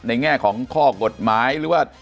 แง่ของข้อกฎหมายหรือว่า